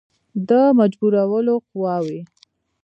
د مجبورولو قواوي.